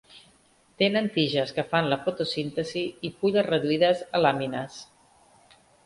Tenen tiges que fan la fotosíntesi i fulles reduïdes a làmines.